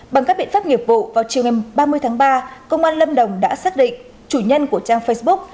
bằng các biện pháp nghiệp vụ vào chiều ba mươi tháng ba công an lâm đồng đã xác định chủ nhân của trang facebook